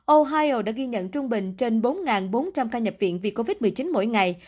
ohio đã ghi nhận trung bình trên bốn bốn trăm linh ca nhập viện vì covid một mươi chín mỗi ngày